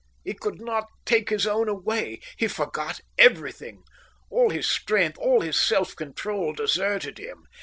He could not take his own away. He forgot everything. All his strength, all his self control, deserted him.